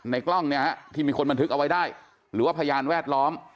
กล้องเนี่ยฮะที่มีคนบันทึกเอาไว้ได้หรือว่าพยานแวดล้อม